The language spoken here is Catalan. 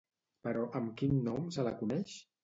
Però, amb quin nom se la coneix?